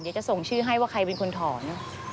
จะส่งชื่อให้ว่าใครเป็นคนถอน